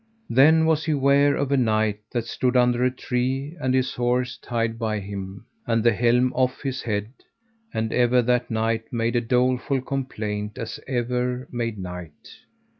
Then was he ware of a knight that stood under a tree, and his horse tied by him, and the helm off his head; and ever that knight made a doleful complaint as ever made knight.